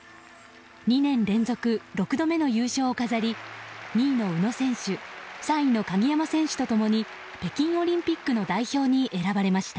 ２年連続６度目の優勝を飾り２位の宇野選手３位の鍵山選手と共に北京オリンピックの代表に選ばれました。